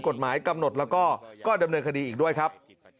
กฎหมายกำหนดแล้วก็ดำเนินคดีอีกด้วยครับ